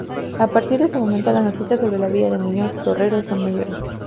A partir de este momento las noticias sobre la vida de Muñoz-Torrero son mayores.